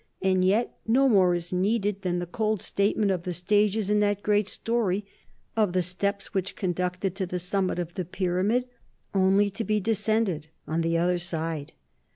And yet no more is needed than the cold statement of the stages in that great story, of the steps which conducted to the summit of the pyramid only to be descended on the other side.